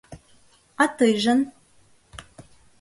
А тыйжын?